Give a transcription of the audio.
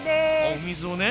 お水をね。